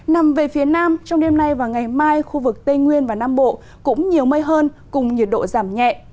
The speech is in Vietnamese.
nằm về phía nam trong đêm nay và ngày mai khu vực tây nguyên và nam bộ cũng nhiều mây hơn cùng nhiệt độ giảm nhẹ